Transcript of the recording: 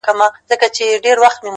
• وړې څپې له توپانونو سره لوبي کوي,